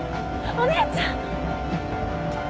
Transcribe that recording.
お姉ちゃん。